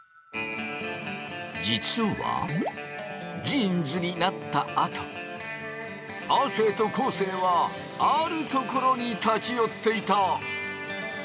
実はジーンズになったあと亜生と昴生はある所に立ち寄っていた！